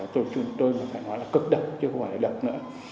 tổ chức tôi phải nói là cực độc chứ không phải là độc nữa